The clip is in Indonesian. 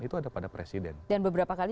itu ada pada presiden dan beberapa kali